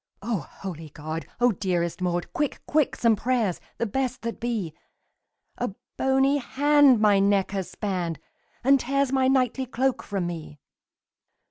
"O holy God! O dearest Maud, Quick, quick, some prayers, the best that be! A bony hand my neck has spanned, And tears my knightly cloak from me!"